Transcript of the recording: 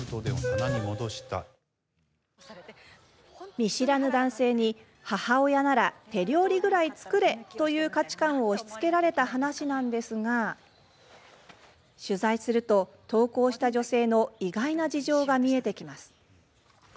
見知らぬ男性に母親なら手料理ぐらい作れという価値観を押しつけられた話なんですが取材すると投稿した女性の意外な事情が見えてきます。